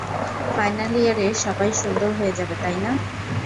Final ইয়ারে সবাই সুন্দর হয়ে যাবে, তাই না?